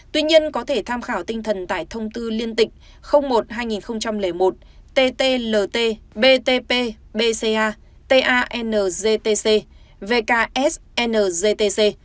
tuy nhiên có thể tham khảo tinh thần tại thông tư liên tịch một hai nghìn một ttlt btp bca tanztc vks ngtc